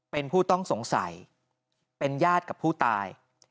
เป็นผู้ต้องสงสัยเป็นญาติกับผู้ตาย